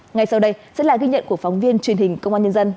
ngay sau đây sẽ là ghi nhận của phóng viên truyền hình công an nhân dân